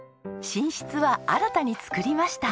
寝室は新たに作りました。